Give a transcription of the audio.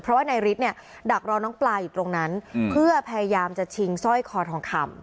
เพราะว่านายฤทธิ์เนี่ยดักรอน้องปลาอยู่ตรงนั้นเพื่อพยายามจะชิงสร้อยคอทองคำ